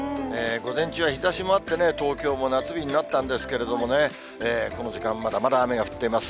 午前中は日ざしもあってね、東京も夏日になったんですけれどもね、この時間、まだまだ雨が降っています。